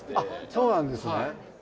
そうなんですね。